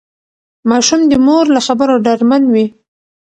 ماشوم د مور له خبرو ډاډمن وي.